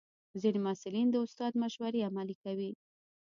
ځینې محصلین د استاد مشورې عملي کوي.